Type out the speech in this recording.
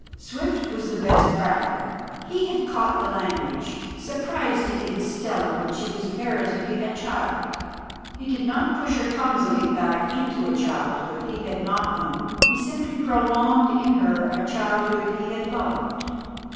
Swift was the best prattler. He had caught the language, surprised it in Stella when she was veritably a child. He did not push her clumsily back into a childhood he had not known; he simply prolonged in her a childhood he had loved.